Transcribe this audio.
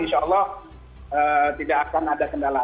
insya allah tidak akan ada kendala